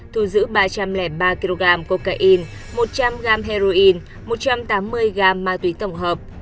thu giữ ba trăm linh ba kg cocaine một trăm linh g heroin một trăm tám mươi gram ma túy tổng hợp